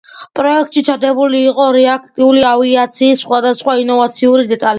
პროექტში ჩადებული იყო რეაქტიული ავიაციის სხვადასხვა ინოვაციური დეტალები.